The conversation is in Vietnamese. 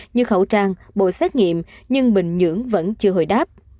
như khẩu trang bộ xét nghiệm nhưng bình nhưỡng vẫn chưa hồi đáp